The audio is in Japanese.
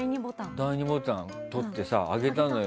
第２ボタンとって、あげたのよ。